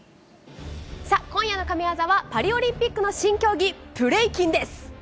今夜の神技は、パリオリンピックの新競技、ブレイキンです。